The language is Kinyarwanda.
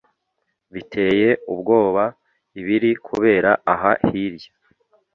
Biteye ubwoba ibiri kubera aha hirya